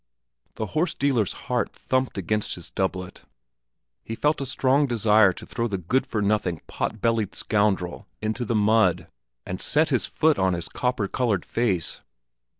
The horse dealer's heart thumped against his doublet. He felt a strong desire to throw the good for nothing, pot bellied scoundrel into the mud and set his foot on his copper colored face.